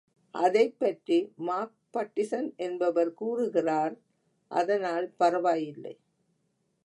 அதைப் பற்றி Mark Pattison என்பவர் கூறுகிறார் அதனால் பரவாயில்லை!.